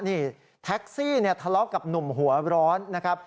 นี่แท็กซี่เนี่ยทะเลาะกับหนุ่มหัวร้อนนะครับ